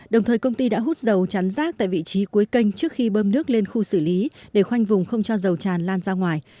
đồng thời công ty đã hút dầu chắn rác tại vị trí cuối kênh trước khi bơm nước lên khu xử lý để khoanh vùng không cho dầu tràn lan ra ngoài